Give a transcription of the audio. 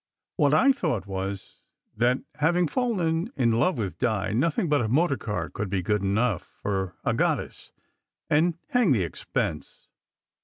What / thought was, that having fallen in love with Di, nothing but a motor car could be good enough for a goddess, and hang the expense!